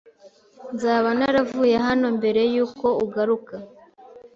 Nzaba naravuye hano mbere yuko ugaruka.